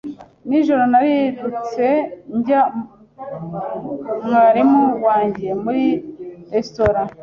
Nijoro narirutse njya mwarimu wanjye muri resitora.